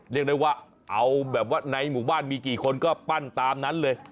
เรียกได้ว่าเอาแบบว่าในหมู่บ้านมีกี่คนก็ปั้นตามนั้นเลย